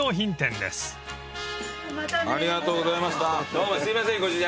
どうもすいませんご主人。